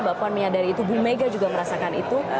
bapak puan menyadari itu ibu megat juga merasakan itu